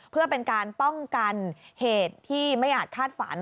เพื่อเป็นการป้องกันเหตุที่ไม่อาจคาดฝัน